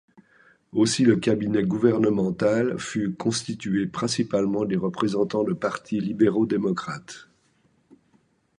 Aussi le cabinet gouvernementale fut constitué principalement des représentants de partis libéraux-démocrates.